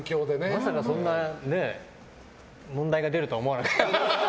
まさかそんな問題が出るとは思わなかった。